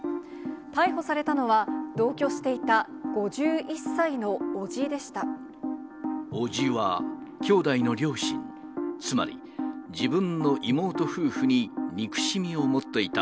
逮捕されたのは、同居していた５１歳の伯父でした。